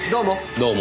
どうも。